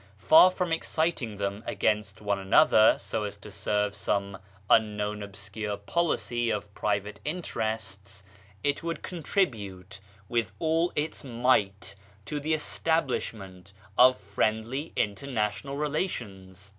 Far from exciting 1 Baha'u'lUfa, Tablet of Tarazat, p; Hi 150 BAHAISM them against one another so as to serve some unknown obscure policy of private interests, it would contribute with all its might to the establishment of friendly in ternational relations.